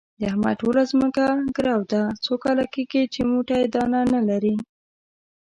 د احمد ټوله ځمکه ګرو ده، څو کاله کېږي چې موټی دانه نه لري.